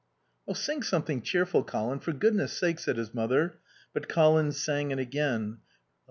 '" "Sing something cheerful, Colin, for Goodness sake," said his mother. But Colin sang it again.